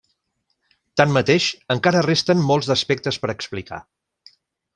Tanmateix, encara resten molts d'aspectes per explicar.